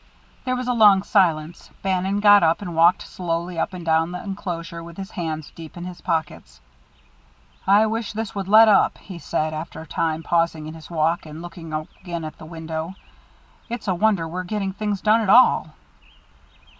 There was a long silence. Bannon got up and walked slowly up and down the enclosure with his hands deep in his pockets. "I wish this would let up," he said, after a time, pausing in his walk, and looking again at the window. "It's a wonder we're getting things done at all."